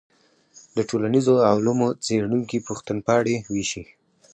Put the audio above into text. د ټولنیزو علومو څېړونکي پوښتنپاڼې ویشي.